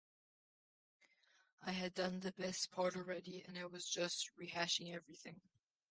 I had done the best part already and I was just rehashing everything.